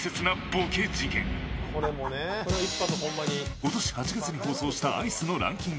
今年８月に放送したアイスのランキング。